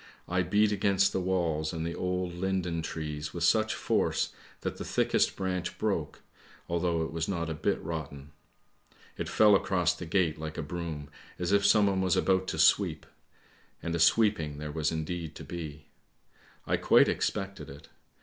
I beat against the walls and the old linden trees with such force that the thickest branch broke, although it was not a bit rotten. It fell across the gate like a broom, as if someone was about to sweep; and a sweeping there was indeed to be. I quite expected it.